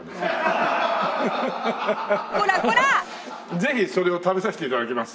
ぜひそれを食べさせて頂きます。